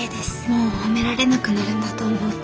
もう褒められなくなるんだと思うと。